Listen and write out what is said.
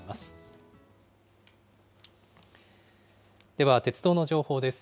では鉄道の情報です。